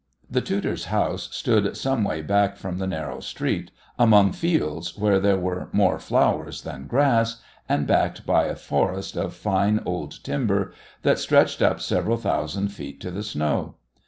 The tutor's house stood some way back from the narrow street, among fields where there were more flowers than grass, and backed by a forest of fine old timber that stretched up several thousand feet to the snow.